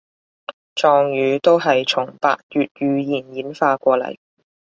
壯語都係從百越語言演化過禮